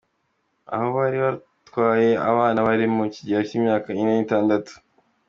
Aho bari batwaye abana bari mu kigero cy’imyaka ine n’itandatu.